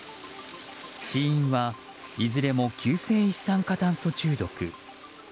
死因は、いずれも急性一酸化炭素中毒。